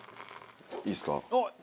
いいですか？